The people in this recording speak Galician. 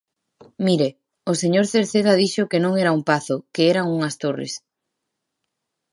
Mire, o señor Cerceda dixo que non era un pazo, que eran unhas torres.